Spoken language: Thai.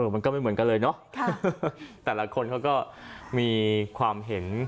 มันก็ไม่เหมือนกันเลยเนาะแต่ละคนเขาก็มีความเห็น